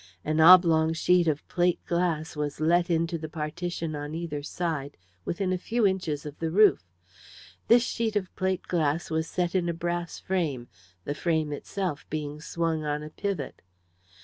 An oblong sheet of plate glass was let into the partition on either side, within a few inches of the roof. This sheet of plate glass was set in a brass frame, the frame itself being swung on a pivot.